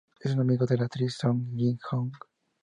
Es amigo de la actriz Song Ji-hyo.